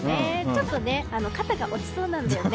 ちょっと肩が落ちそうなんだよね。